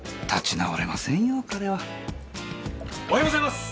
おはようございます！